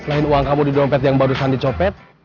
selain uang kamu di dompet yang barusan dicopet